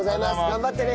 頑張ってね